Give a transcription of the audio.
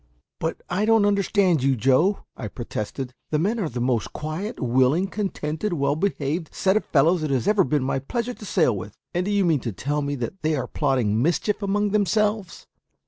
"But I don't understand you, Joe," I protested. "The men are the most quiet, willing, contented, well behaved set of fellows it has ever been my pleasure to sail with; and do you mean to tell me that they are plotting mischief among themselves?"